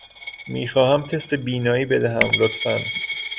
می خواهم تست بینایی بدهم، لطفاً.